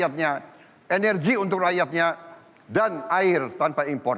untuk rakyatnya energi untuk rakyatnya dan air tanpa impor